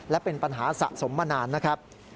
และเป็นปัญหาสะสมมานานนะครับ